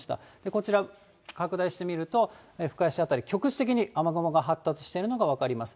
こちら、拡大してみると、深谷市辺り、局地的に雨雲が発達しているのが分かります。